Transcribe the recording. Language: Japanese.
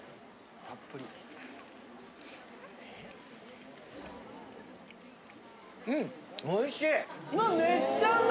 ・たっぷり・うん！おいしい？